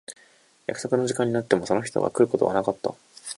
約束の時間になってもその人は来ることがなかった。